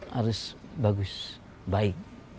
harus bagus baik